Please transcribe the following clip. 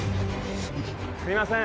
すみません。